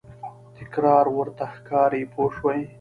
تکرار ورته ښکاري پوه شوې!.